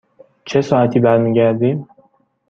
چه ساعتی برمی گردیم؟